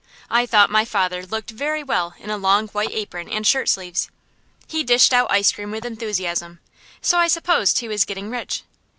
I thought my father looked very well in a long white apron and shirt sleeves. He dished out ice cream with enthusiasm, so I supposed he was getting rich.